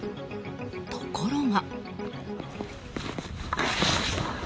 ところが。